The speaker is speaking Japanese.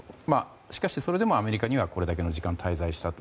しかし、それでもアメリカにはこれだけの時間滞在したと。